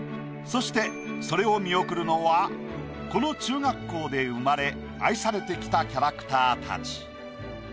そしてそれを見送るのはこの中学校で生まれ愛されてきたキャラクターたち。